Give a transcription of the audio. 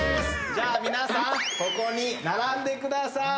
じゃあ皆さんここに並んでください。